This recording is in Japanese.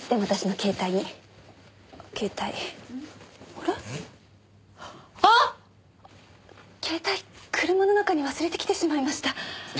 携帯車の中に忘れてきてしまいました。